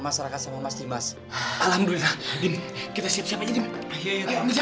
masyarakat sama mas dimas alhamdulillah kita siap siap aja dimana iya iya